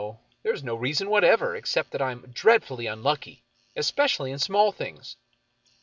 There is no reason whatever, except that I am dreadfully unlucky, especially in small things."